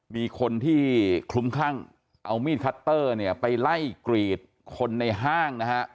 มีคนที่คลุมคลั่งเอามีดคัตเตอร์เนี่ยไปไล่กรีดคนในห้างนะฮะ